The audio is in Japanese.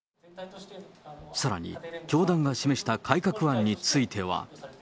さらに、教団が示した改革案については。